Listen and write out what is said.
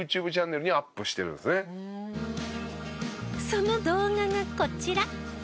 その動画がこちら。